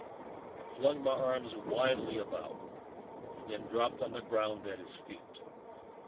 I flung my arms wildly about and then dropped on the ground at his feet.